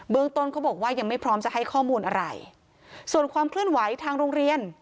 ต้นเขาบอกว่ายังไม่พร้อมจะให้ข้อมูลอะไรส่วนความเคลื่อนไหวทางโรงเรียน